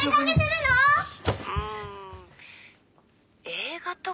映画とか。